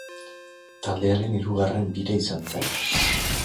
Taldearen hirugarren bira izan zen.